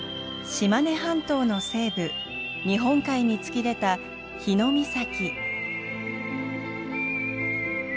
島根半島の西部日本海に突き出た日御碕。